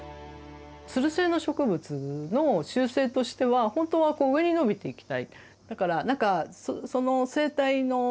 つる性の植物の習性としては本当は上に伸びていきたい。